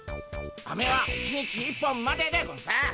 アメは一日一本まででゴンス。